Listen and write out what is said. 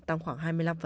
tăng khoảng hai mươi năm